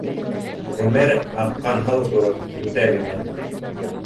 Ғүмер, аҡҡан һыу кеүек, үтә генә